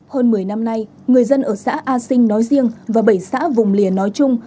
hơn một mươi năm nay người dân ở xã a sinh nói riêng và bảy xã vùng lìa nói chung